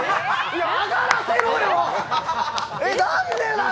上がらせろよ。